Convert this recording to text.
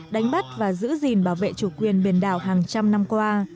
đánh bắt và giữ gìn bảo vệ chủ quyền biển đảo hàng trăm năm qua